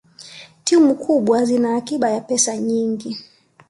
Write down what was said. timu kubwa zina akiba ya pesa nyingi